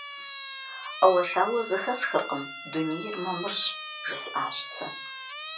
– Ӏэуэлъауэ зэхэсхыркъым, дунейр мамырщ, – жысӀащ сэ.